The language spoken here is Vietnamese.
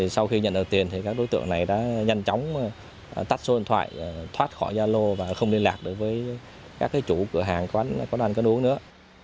sau khi nhận được tiền thì các đối tượng này đã nhanh chóng tắt số điện thoại thoát khỏi gia lô và không liên lạc được với các cái chủ cửa hàng quán ăn quán uống nữa